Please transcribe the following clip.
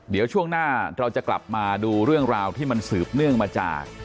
เดี๋ยวช่วงหน้าเราจะกลับมาดูเรื่องราวที่มันสืบเนื่องมาจาก